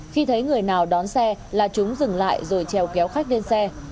khi thấy người nào đón xe là chúng dừng lại rồi trèo kéo khách lên xe